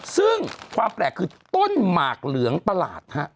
ซึ่งความแปลกคือต้นหมากเหลืองประหลาดฮะ